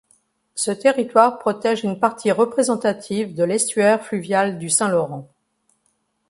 Ce territoire protège une partie représentative de l'estuaire fluvial du Saint-Laurent.